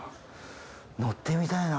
乗ってみたいな。